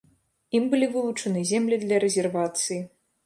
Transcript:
Ім былі вылучаны землі для рэзервацыі.